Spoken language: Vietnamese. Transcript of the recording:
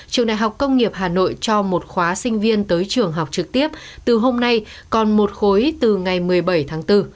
trường đại học công nghiệp hà nội cho một khóa sinh viên tới trường học trực tiếp từ hôm nay còn một khối từ ngày một mươi bảy tháng bốn